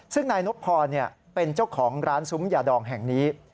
ซึ่งนายนบพรเป็นเจ้าของร้านซุ้มยาดองแห่งนี้